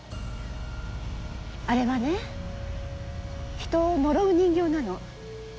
あれはね人を呪う人形なの